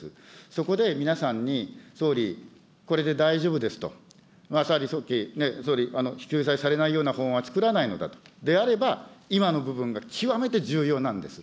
そこで皆さんに、総理、これで大丈夫ですと、まさにさっき、総理、救済されないような法案を作らないのだと、であれば、今の部分が極めて重要なんです。